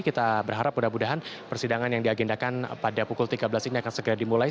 kita berharap mudah mudahan persidangan yang diagendakan pada pukul tiga belas ini akan segera dimulai